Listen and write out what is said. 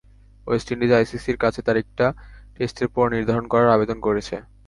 West Indies আইসিসির কাছে তারিখটা টেস্টের পরে নির্ধারণ করার আবেদন করেছে।